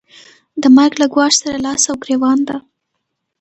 د مرګ له ګواښ سره لاس او ګرېوان ده.